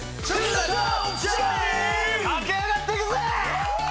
駆け上がっていくぜ！